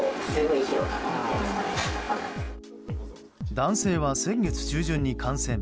男性は先月中旬に感染。